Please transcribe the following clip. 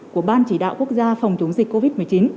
của ban chỉ đạo quốc gia phòng chống dịch covid một mươi chín